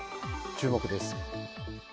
注目です。